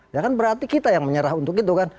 ya kan berarti kita yang menyerah untuk itu kan